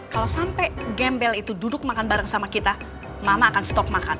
kalau sampai gembel itu duduk makan bareng sama kita mama akan stop makan